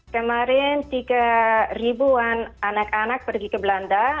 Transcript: kemarin tiga ribuan anak anak pergi ke belanda